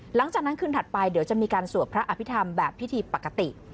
หลังจากนั้นคืนถัดไปเดี๋ยวจะมีการสวดพระอภิษฐรรมแบบพิธีปกติ